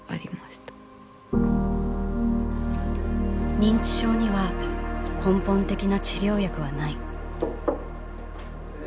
「認知症には根本的な治療薬はない」。